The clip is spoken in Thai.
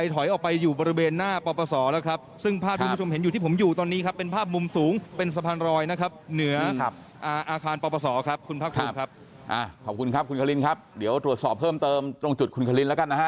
ตรวจสอบเติมตรงจุดคุณครินแล้วกันนะฮะ